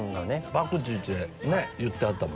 パクチーって言ってはったね。